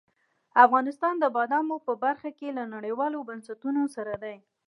افغانستان د بادامو په برخه کې له نړیوالو بنسټونو سره دی.